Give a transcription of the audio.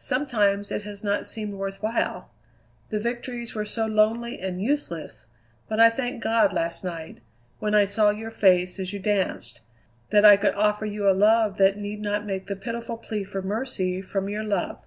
Sometimes it has not seemed worth while; the victories were so lonely and useless; but I thanked God last night, when I saw your face as you danced, that I could offer you a love that need not make the pitiful plea for mercy from your love.